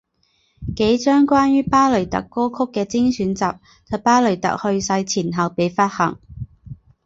几张关于巴雷特歌曲的精选集在巴雷特去世前后被发行。